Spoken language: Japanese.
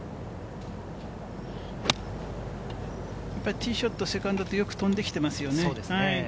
ティーショット、セカンドと、よく飛んできてますよね。